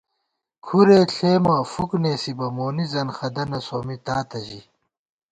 کھُرے ݪېمہ فُک نېسِبہ مونی ځنخَدَنہ سومّی تاتہ ژِی